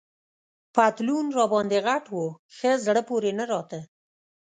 پتلون راباندي غټ وو، ښه زړه پورې نه راته.